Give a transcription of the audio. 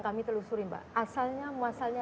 kami telusuri mbak asalnya muasalnya